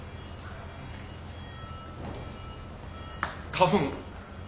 花粉？